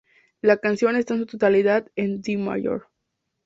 La canción está en su tonalidad en Do mayor.